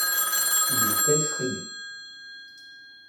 Il était freiné.